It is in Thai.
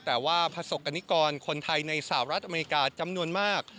แต่ว่าประสบกรณิกรคนไทยในสหรัฐอเมริกาจำนวนมาก